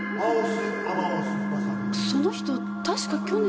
その人確か去年。